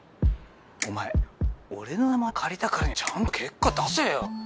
お前俺の名前を借りたからにはちゃんと結果出せよ。